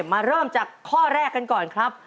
มาเริ่มจากข้อแรกกันก่อนครับ